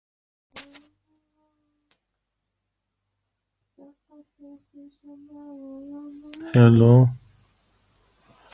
Their discovery started the first superstring revolution.